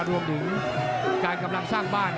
รวมถึงการกำลังสร้างบ้าน